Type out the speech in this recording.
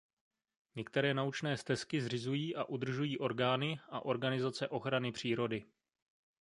Některé naučné stezky zřizují a udržují orgány a organizace ochrany přírody.